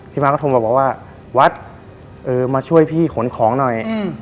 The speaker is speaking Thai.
มาก็โทรมาบอกว่าวัดมาช่วยพี่ขนของหน่อย